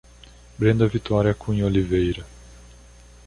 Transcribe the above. Brenda Vitoria Cunha Oliveira